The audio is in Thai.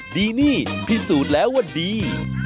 ดีนี่พิสูจน์แล้วว่าดี